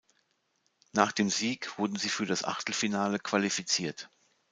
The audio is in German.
Nach dem Sieg wurden sie für das Achtelfinale qualifiziert.